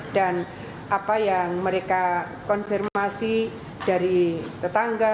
dan apa yang mereka konfirmasi dari tetangga